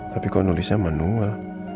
tapi kok nulisnya manual